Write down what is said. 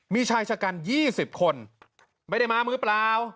มีชายชะกัน๒๐คนไม่ได้มามือเปล่า